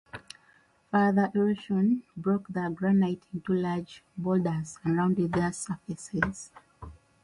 Further erosion broke the granite into large boulders and rounded their surfaces.